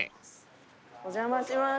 お邪魔します